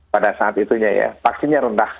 pada saat itunya ya vaksinnya rendah